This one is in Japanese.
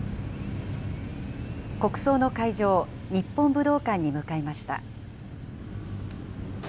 国葬の会場、日本武道館に向かいました。